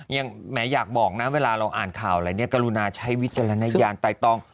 ยังมาอยากบอกมันเวลาเราอ่านข่าวอะไรจะก็ลุนาใช้วิจารณญาณใต้ตรง